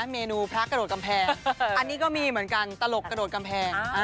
เมนูพระกระโดดกำแพงอันนี้ก็มีเหมือนกันตลกกระโดดกำแพง